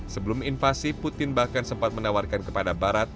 sebelum invasi putin bahkan sempat menawarkan kepada barat